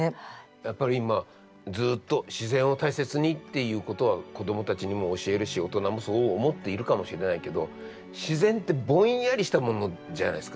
やっぱり今ずっと自然を大切にっていうことは子供たちにも教えるし大人もそう思っているかもしれないけど自然ってぼんやりしたものじゃないですか。